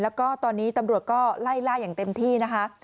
แล้วก็ตอนนี้ตำรวจก็ไล่ล่าอย่างเต็มที่นะคะ